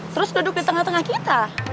terus duduk di tengah tengah kita